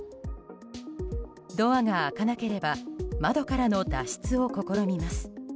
ドアが開かなければ窓からの脱出を試みます。